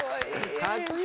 かっこいい。